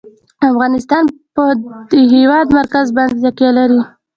افغانستان په د هېواد مرکز باندې تکیه لري.